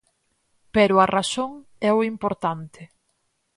Pero a razón é o importante.